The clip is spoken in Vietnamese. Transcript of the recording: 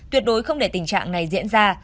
tuyệt đối không để tình trạng này diễn ra